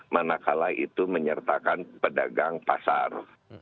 manakala itu menyertakan pedagang pasar